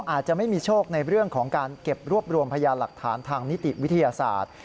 อาจจะไม่มีโชคในเรื่องของการเก็บรวบรวมพยานหลักฐานทางนิติวิทยาศาสตร์